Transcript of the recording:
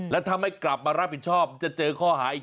แล้วถ้าไม่กลับมารับผิดชอบจะเจอข้อหาอีก